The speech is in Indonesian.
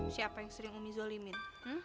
siapa yang sering umi zolimin